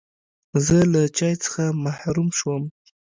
زه له چای څخه محروم شوم.